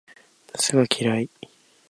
夏が嫌い